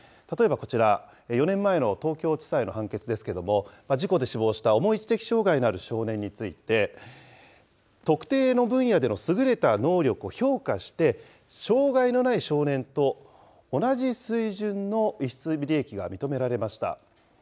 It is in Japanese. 例えばこちら、４年前の東京地裁の判決ですけども、事故で死亡した重い知的障害のある少年について、特定の分野での優れた能力を評価して、障害のない少年と同じ水準の逸失利益が認められました。